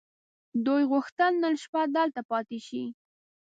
دوی غوښتل نن شپه دلته پاتې شي.